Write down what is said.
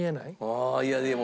ああいやでも。